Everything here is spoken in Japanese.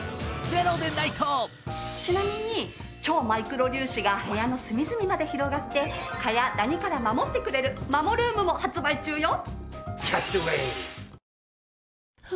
ちなみに超マイクロ粒子が部屋の隅々まで広がって蚊やダニから守ってくれるマモルームも発売中よ。